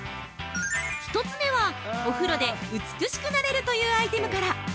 ◆１つ目はお風呂で美しくなれるというアイテムから！